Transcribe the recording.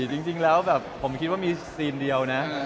จริงแล้วแบบผมคิดว่ามีซีนเดียวนะ